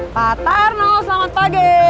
patarno selamat pagi